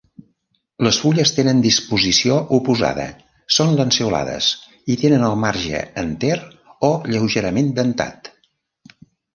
Les fulles tenen disposició oposada, són lanceolades i tenen el marge enter o lleugerament dentat.